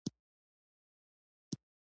له ماخستن لمونځ وروسته تودې خبرې وکړې.